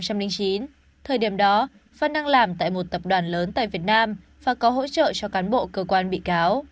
thời điểm đó phân đang làm tại một tập đoàn lớn tại việt nam và có hỗ trợ cho cán bộ cơ quan bị cáo